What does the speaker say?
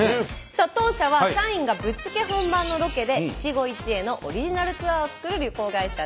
さあ当社は社員がぶっつけ本番のロケで一期一会のオリジナルツアーを作る旅行会社です。